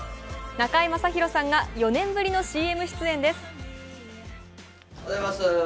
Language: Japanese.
中居正広さんが４年ぶりのＣＭ出演です。